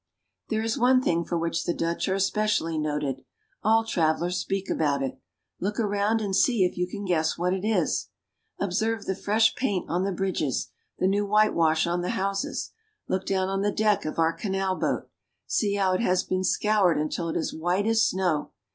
There is one thing for which the Dutch are especially noted. All travelers speak about it. Look around and see if you can guess what it is ! Observe the fresh paint on the bridges, the new whitewash on the houses. Look down on the deck of our canal boat ! See how it has been scoured until it is as white as snow.